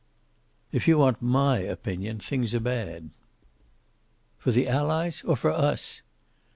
"If you want my opinion, things are bad." "For the Allies? Or for us?"